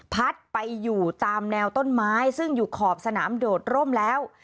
พัดไปอยู่ตามแนวต้นไม้ซึ่งอยู่ขอบสนามโดดร่มแล้ว